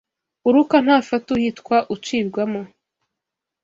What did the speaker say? Uruka ntafata uhitwa ucibwamo